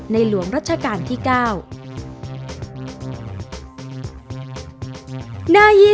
จุดที่๓รวมภาพธนบัตรที่ระลึกรัชกาลที่๙